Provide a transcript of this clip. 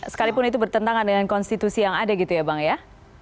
sekalipun itu bertentangan dengan konstitusi yang ada gitu ya bang ya